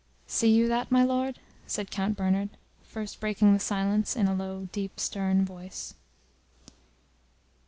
"See you that, my Lord?" said Count Bernard, first breaking the silence, in a low, deep, stern voice.